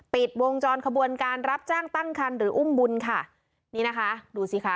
ปิดวงจรขบวนการรับจ้างตั้งคันหรืออุ้มบุญค่ะนี่นะคะดูสิคะ